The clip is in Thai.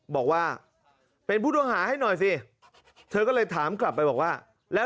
บอกว่าเป็นผู้ต้องหาให้หน่อยสิเธอก็เลยถามกลับไปบอกว่าแล้ว